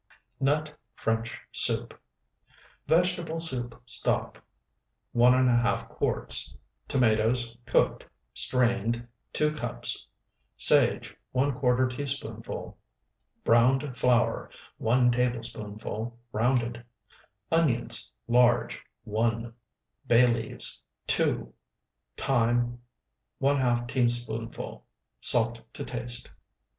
NUT FRENCH SOUP Vegetable soup stock, 1½ quarts. Tomatoes, cooked, strained, 2 cups. Sage, ¼ teaspoonful. Browned flour, 1 tablespoonful rounded. Onions, large, 1. Bay leaves, 2. Thyme, ½ teaspoonful. Salt to taste.